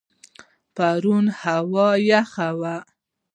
پرون هوا یخه وه.